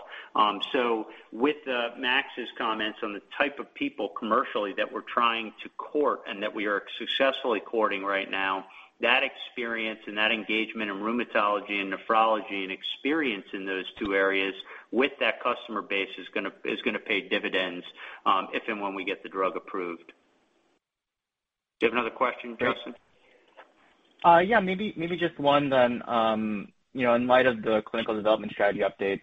Speaker 3: With Max's comments on the type of people commercially that we're trying to court and that we are successfully courting right now, that experience and that engagement in rheumatology and nephrology and experience in those two areas with that customer base is going to pay dividends if and when we get the drug approved. Do you have another question, Justin?
Speaker 11: Yeah, maybe just one then. In light of the clinical development strategy updates,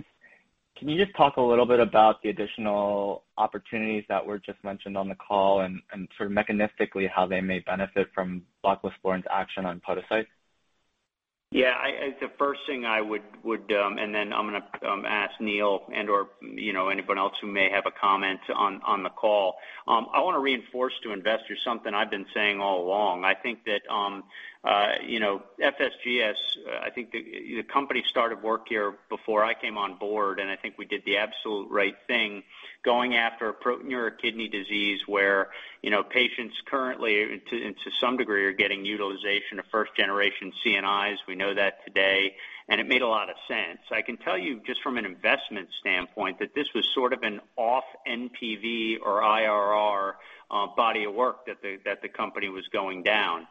Speaker 11: can you just talk a little bit about the additional opportunities that were just mentioned on the call and sort of mechanistically how they may benefit from voclosporin's action on podocytes?
Speaker 3: Yeah. The first thing I'm going to ask Neil and/or anyone else who may have a comment on the call. I want to reinforce to investors something I've been saying all along. I think that FSGS, the company started work here before I came on board, and I think we did the absolute right thing going after a proteinuria kidney disease where patients currently, and to some degree, are getting utilization of first generation CNIs. We know that today, it made a lot of sense. I can tell you just from an investment standpoint that this was sort of an off NPV or IRR body of work that the company was going down.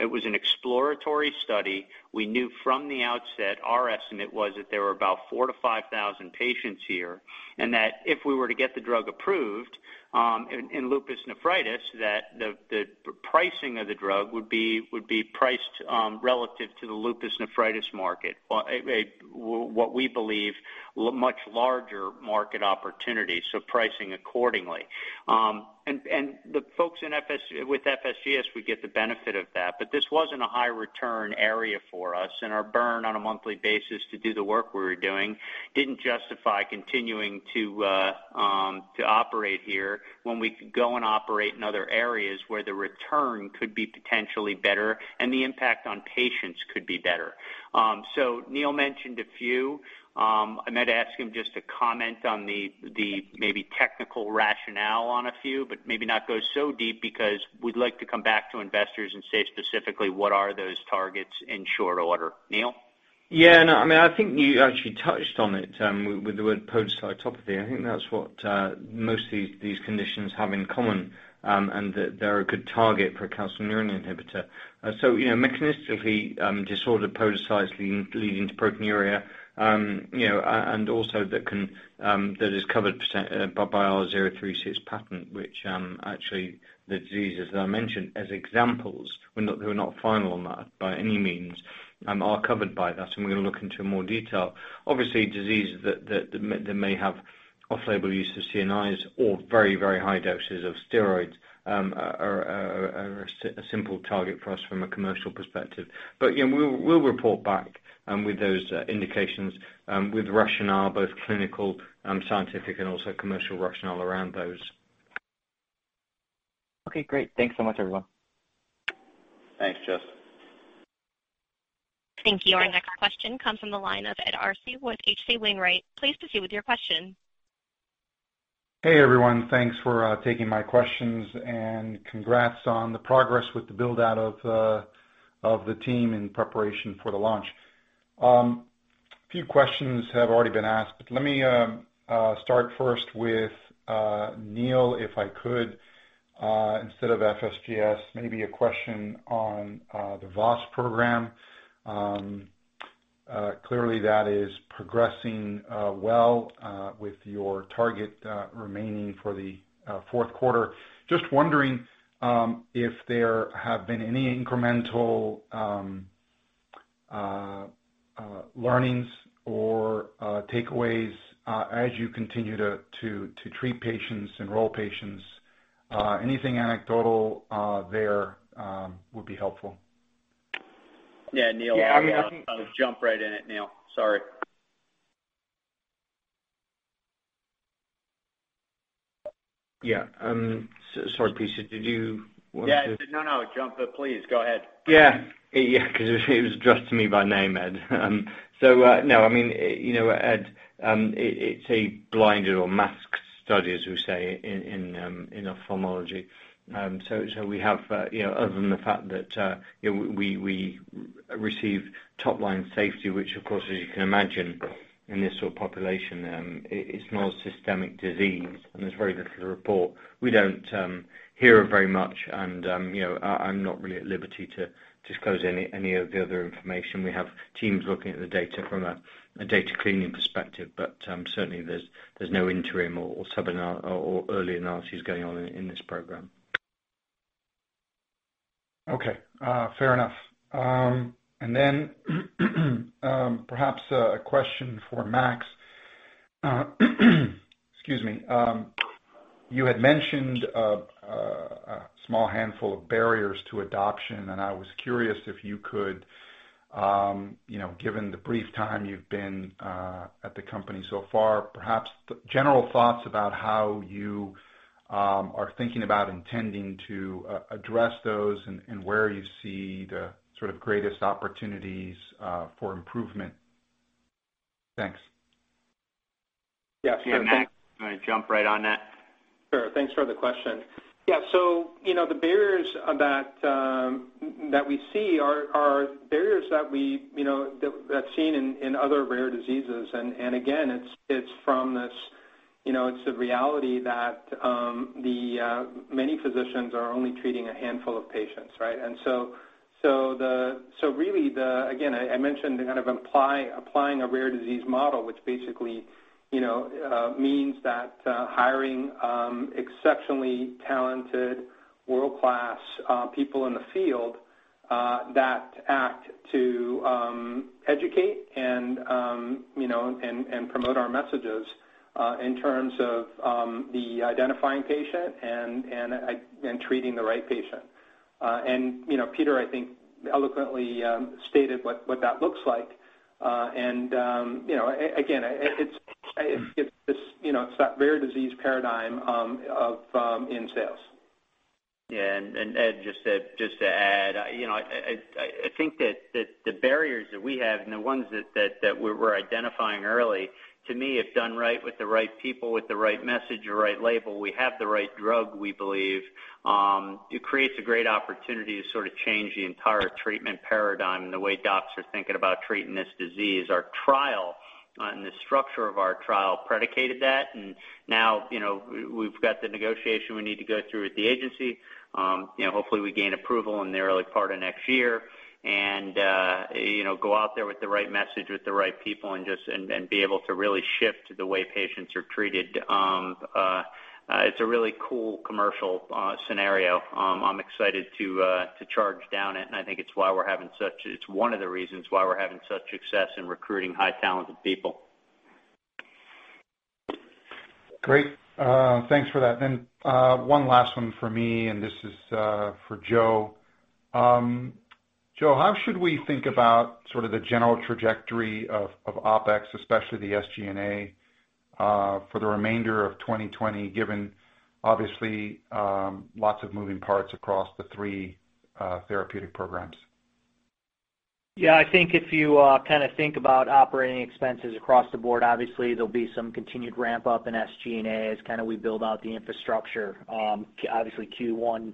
Speaker 3: It was an exploratory study. We knew from the outset our estimate was that there were about 4,000-5,000 patients here, and that if we were to get the drug approved in lupus nephritis, that the pricing of the drug would be priced relative to the lupus nephritis market. What we believe much larger market opportunity, so pricing accordingly. The folks with FSGS would get the benefit of that. This wasn't a high return area for us, and our burn on a monthly basis to do the work we were doing didn't justify continuing to operate here when we could go and operate in other areas where the return could be potentially better and the impact on patients could be better. Neil mentioned a few. I might ask him just to comment on the maybe technical rationale on a few, but maybe not go so deep because we'd like to come back to investors and say specifically what are those targets in short order. Neil?
Speaker 4: Yeah. No, I think you actually touched on it with the word podocytopathy. I think that's what most of these conditions have in common, and that they're a good target for a calcineurin inhibitor. Mechanistically, disordered podocytes leading to proteinuria, and also that is covered by our 036 patent, which actually the diseases that I mentioned as examples, we're not final on that by any means, are covered by that. We're going to look into more detail. Obviously, diseases that may have off-label use of CNIs or very high doses of steroids are a simple target for us from a commercial perspective. We'll report back with those indications, with rationale, both clinical, scientific, and also commercial rationale around those.
Speaker 11: Okay, great. Thanks so much, everyone.
Speaker 3: Thanks, Justin.
Speaker 1: Thank you. Our next question comes from the line of Ed Arce with H.C. Wainwright & Co. Please proceed with your question.
Speaker 12: Hey, everyone. Thanks for taking my questions, and congrats on the progress with the build-out of the team in preparation for the launch. A few questions have already been asked, but let me start first with Neil, if I could, instead of FSGS, maybe a question on the VOS program. Clearly, that is progressing well with your target remaining for the fourth quarter. Just wondering if there have been any incremental learnings or takeaways as you continue to treat patients, enroll patients. Anything anecdotal there would be helpful.
Speaker 3: Yeah, Neil.
Speaker 4: Yeah, I think-
Speaker 3: I'll jump right in it, Neil. Sorry.
Speaker 4: Yeah. Sorry, Peter.
Speaker 3: Yeah. No, jump in, please. Go ahead.
Speaker 4: Yeah, because it was addressed to me by name, Ed. No, Ed, it's a blinded or masked study, as we say in ophthalmology. We have, other than the fact that we receive top-line safety, which of course, as you can imagine in this sort of population, it's not a systemic disease and there's very little to report. We don't hear very much, and I'm not really at liberty to disclose any of the other information. We have teams looking at the data from a data cleaning perspective. Certainly, there's no interim or early analyses going on in this program.
Speaker 12: Okay. Fair enough. Perhaps a question for Max. Excuse me. You had mentioned a small handful of barriers to adoption, and I was curious if you could, given the brief time you've been at the company so far, perhaps general thoughts about how you are thinking about intending to address those and where you see the greatest opportunities for improvement. Thanks.
Speaker 3: Yeah. Max, you want to jump right on that?
Speaker 5: Sure. Thanks for the question. The barriers that we see are barriers that we have seen in other rare diseases. Again, it's the reality that many physicians are only treating a handful of patients, right? Really, again, I mentioned the applying a rare disease model, which basically means that hiring exceptionally talented world-class people in the field that act to educate and promote our messages in terms of the identifying patient and treating the right patient. Peter, I think eloquently stated what that looks like. Again, it's that rare disease paradigm in sales.
Speaker 3: Yeah. Ed, just to add, I think that the barriers that we have and the ones that we're identifying early, to me, if done right with the right people, with the right message or right label, we have the right drug, we believe. It creates a great opportunity to change the entire treatment paradigm and the way docs are thinking about treating this disease. Our trial and the structure of our trial predicated that. Now, we've got the negotiation we need to go through with the agency. Hopefully we gain approval in the early part of next year and go out there with the right message, with the right people, and be able to really shift the way patients are treated. It's a really cool commercial scenario. I'm excited to charge down it, and I think it's one of the reasons why we're having such success in recruiting high talented people.
Speaker 12: Great. Thanks for that. One last one for me, and this is for Joe. Joe, how should we think about the general trajectory of OpEx, especially the SG&A, for the remainder of 2020, given obviously lots of moving parts across the three therapeutic programs?
Speaker 6: Yeah, I think if you think about operating expenses across the board, obviously there'll be some continued ramp-up in SG&A as we build out the infrastructure. Q1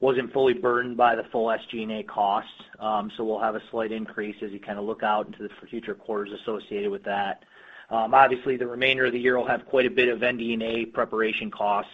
Speaker 6: wasn't fully burdened by the full SG&A costs. We'll have a slight increase as you look out into the future quarters associated with that. The remainder of the year will have quite a bit of NDA preparation costs.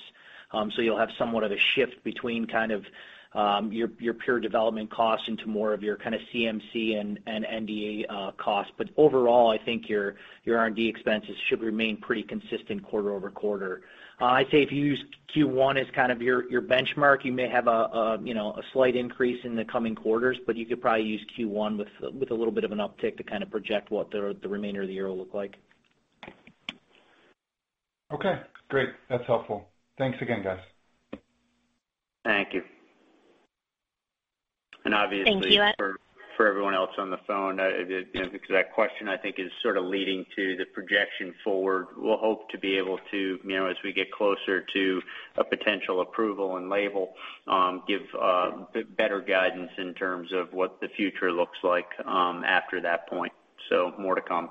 Speaker 6: You'll have somewhat of a shift between your pure development costs into more of your CMC and NDA costs. Overall, I think your R&D expenses should remain pretty consistent quarter-over-quarter. I'd say if you use Q1 as your benchmark, you may have a slight increase in the coming quarters, but you could probably use Q1 with a little bit of an uptick to project what the remainder of the year will look like.
Speaker 12: Okay, great. That's helpful. Thanks again, guys.
Speaker 6: Thank you.
Speaker 1: Thank you.
Speaker 3: for everyone else on the phone, because that question, I think, is leading to the projection forward. We'll hope to be able to, as we get closer to a potential approval and label, give better guidance in terms of what the future looks like after that point. More to come.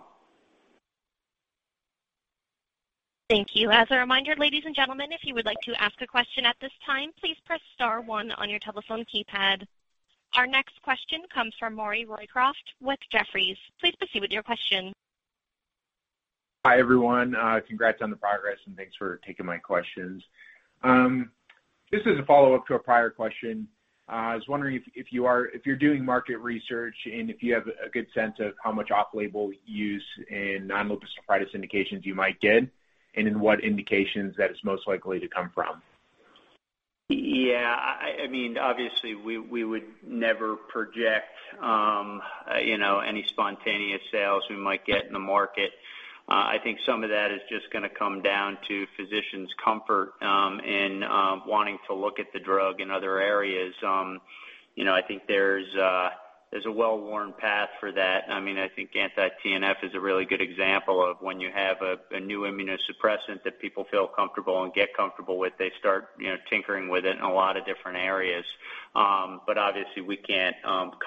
Speaker 1: Thank you. As a reminder, ladies and gentlemen, if you would like to ask a question at this time, please press star one on your telephone keypad. Our next question comes from Maury Raycroft with Jefferies. Please proceed with your question.
Speaker 13: Hi, everyone. Congrats on the progress. Thanks for taking my questions. This is a follow-up to a prior question. I was wondering if you're doing market research and if you have a good sense of how much off-label use in non-lupus nephritis indications you might get, and in what indications that is most likely to come from.
Speaker 3: Yeah. Obviously, we would never project any spontaneous sales we might get in the market. I think some of that is just going to come down to physicians' comfort in wanting to look at the drug in other areas. I think there's a well-worn path for that. I think anti-TNF is a really good example of when you have a new immunosuppressant that people feel comfortable and get comfortable with, they start tinkering with it in a lot of different areas. Obviously, we can't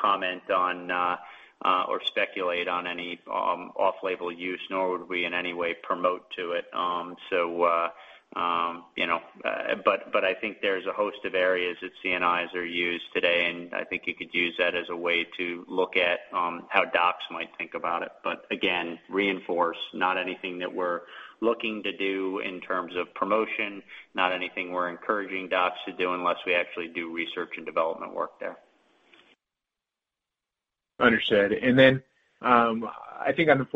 Speaker 3: comment on or speculate on any off-label use, nor would we in any way promote to it. I think there's a host of areas that CNIs are used today, and I think you could use that as a way to look at how docs might think about it. Again, reinforce, not anything that we're looking to do in terms of promotion, not anything we're encouraging docs to do unless we actually do research and development work there.
Speaker 13: Understood. I think on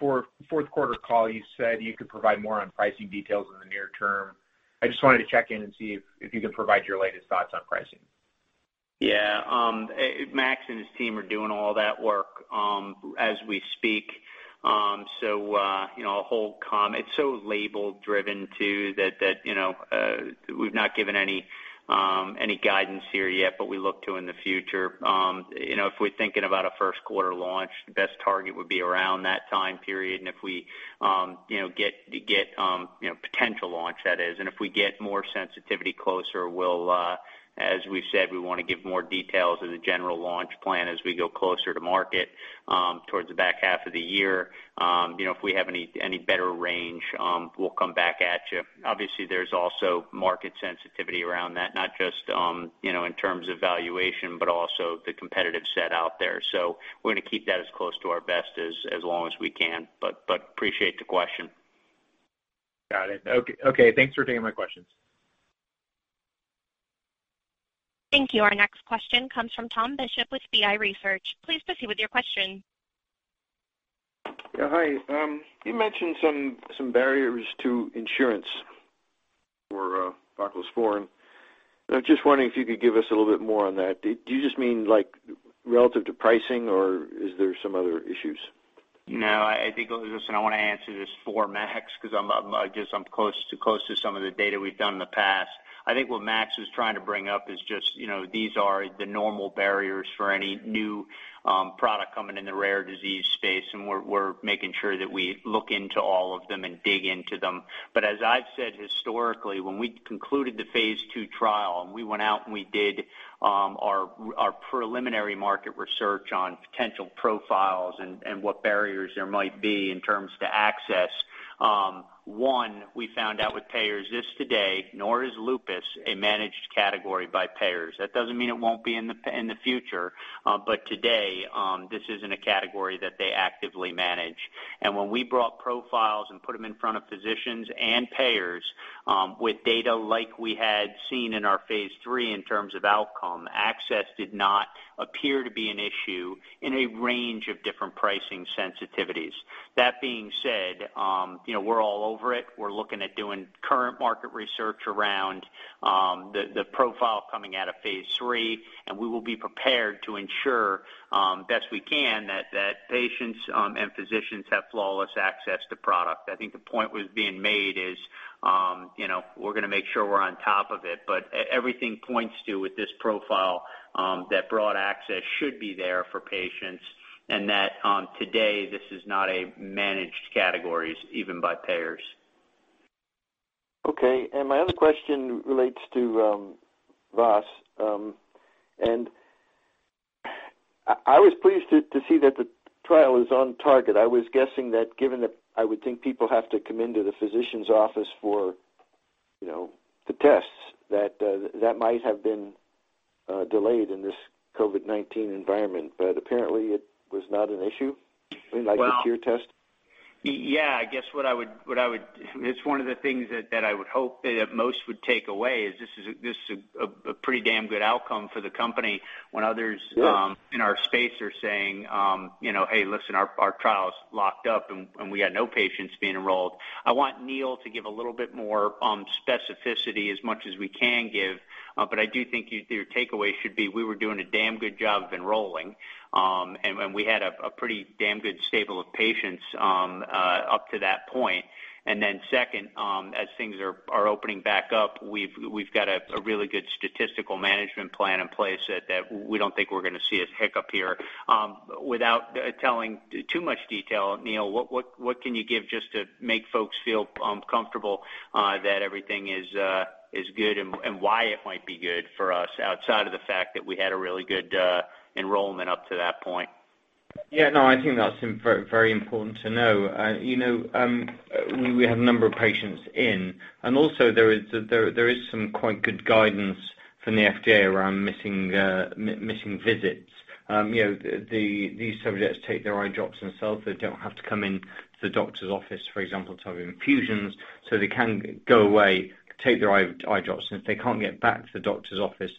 Speaker 13: the fourth quarter call, you said you could provide more on pricing details in the near term. I just wanted to check in and see if you can provide your latest thoughts on pricing.
Speaker 3: Max and his team are doing all that work as we speak. It's so label driven, too, that we've not given any guidance here yet, but we look to in the future. If we're thinking about a first quarter launch, the best target would be around that time period. Potential launch, that is. If we get more sensitivity closer, as we've said, we want to give more details of the general launch plan as we go closer to market towards the back half of the year. If we have any better range, we'll come back at you. Obviously, there's also market sensitivity around that, not just in terms of valuation, but also the competitive set out there. We're going to keep that as close to our vest as long as we can. Appreciate the question.
Speaker 13: Got it. Okay. Thanks for taking my questions.
Speaker 1: Thank you. Our next question comes from Tom Bishop with BI Research. Please proceed with your question.
Speaker 14: Yeah, hi. You mentioned some barriers to insurance for voclosporin. I'm just wondering if you could give us a little bit more on that. Do you just mean relative to pricing, or is there some other issues?
Speaker 3: No, I think, listen, I want to answer this for Max because I'm close to some of the data we've done in the past. I think what Max was trying to bring up is just these are the normal barriers for any new product coming in the rare disease space, and we're making sure that we look into all of them and dig into them. But as I've said historically, when we concluded the phase II trial and we went out and we did our preliminary market research on potential profiles and what barriers there might be in terms to access, one, we found out with payers this today, nor is lupus a managed category by payers. That doesn't mean it won't be in the future, but today, this isn't a category that they actively manage. When we brought profiles and put them in front of physicians and payers with data like we had seen in our phase III in terms of outcome, access did not appear to be an issue in a range of different pricing sensitivities. That being said, we're all over it. We're looking at doing current market research around the profile coming out of phase III, and we will be prepared to ensure best we can that patients and physicians have flawless access to product. I think the point was being made is we're going to make sure we're on top of it. Everything points to with this profile that broad access should be there for patients and that today this is not a managed category even by payers.
Speaker 14: Okay. My other question relates to VOS. I was pleased to see that the trial is on target. I was guessing that given that I would think people have to come into the physician's office for the tests, that might have been delayed in this COVID-19 environment. Apparently it was not an issue, like the tear test?
Speaker 3: It's one of the things that I would hope that most would take away is this is a pretty damn good outcome for the company when others.
Speaker 14: Yeah
Speaker 3: in our space are saying, "Hey, listen, our trial is locked up and we got no patients being enrolled." I want Neil to give a little bit more specificity, as much as we can give. I do think your takeaway should be, we were doing a damn good job of enrolling, and we had a pretty damn good stable of patients up to that point. Second, as things are opening back up, we've got a really good statistical management plan in place that we don't think we're going to see a hiccup here. Without telling too much detail, Neil, what can you give just to make folks feel comfortable that everything is good and why it might be good for us outside of the fact that we had a really good enrollment up to that point?
Speaker 4: Yeah, no, I think that's very important to know. We have a number of patients in, and also there is some quite good guidance from the FDA around missing visits. These subjects take their eye drops themselves. They don't have to come into the doctor's office, for example, to have infusions. They can go away, take their eye drops. If they can't get back to the doctor's office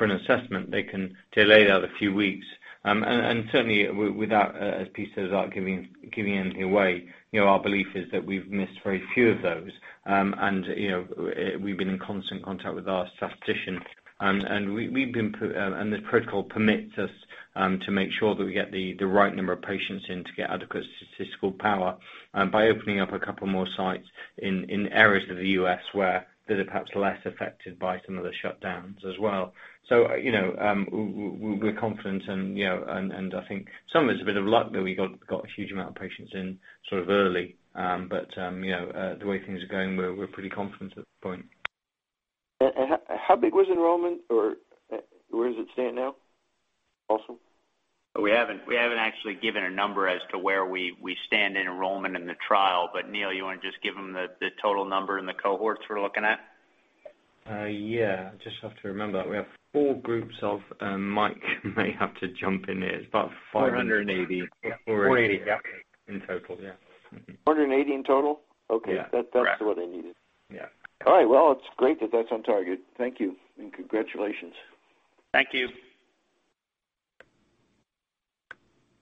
Speaker 4: for an assessment, they can delay the other few weeks. Certainly, without, as Pete says, without giving anything away, our belief is that we've missed very few of those. We've been in constant contact with our statistician. This protocol permits us to make sure that we get the right number of patients in to get adequate statistical power by opening up a couple more sites in areas of the U.S. where they're perhaps less affected by some of the shutdowns as well. We're confident and I think some of it's a bit of luck that we got a huge amount of patients in sort of early. The way things are going, we're pretty confident at this point.
Speaker 14: How big was enrollment or where does it stand now also?
Speaker 3: We haven't actually given a number as to where we stand in enrollment in the trial. Neil, you want to just give him the total number in the cohorts we're looking at?
Speaker 4: Yeah. Just have to remember that we have four groups of, and Mike may have to jump in here.
Speaker 9: 480.
Speaker 4: 480, yeah. In total, yeah. Mm-hmm.
Speaker 14: 480 in total? Okay.
Speaker 4: Yeah.
Speaker 9: Correct.
Speaker 14: That's what I needed.
Speaker 4: Yeah.
Speaker 14: All right, well, it's great that that's on target. Thank you, and congratulations.
Speaker 3: Thank you.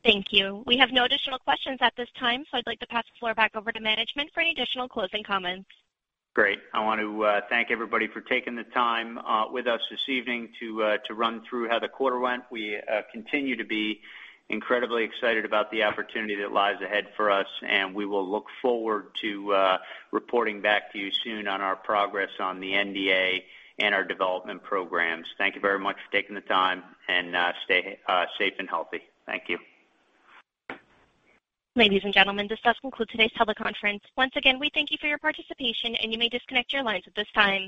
Speaker 1: Thank you. We have no additional questions at this time. I'd like to pass the floor back over to management for any additional closing comments.
Speaker 3: Great. I want to thank everybody for taking the time with us this evening to run through how the quarter went. We continue to be incredibly excited about the opportunity that lies ahead for us, and we will look forward to reporting back to you soon on our progress on the NDA and our development programs. Thank you very much for taking the time, and stay safe and healthy. Thank you.
Speaker 1: Ladies and gentlemen, this does conclude today's teleconference. Once again, we thank you for your participation. You may disconnect your lines at this time.